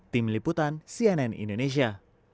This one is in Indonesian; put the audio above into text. tim liputan cnn indonesia